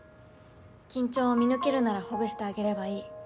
緊張を見抜けるならほぐしてあげればいい。